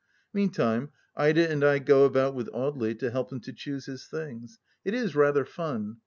Meantime Ida and I go about with Audely to help him to choose his things. It is rather fun.